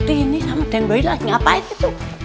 ini sama dengan berilas ngapain itu